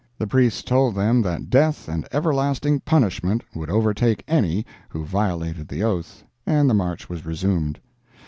The priests told them that death and everlasting punishment would overtake any who violated the oath, and the march was resumed.